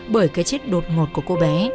bởi cái chết đột ngột của cô bé